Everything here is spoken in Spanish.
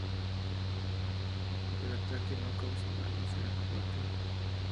El ataque no causó daños en el fuerte.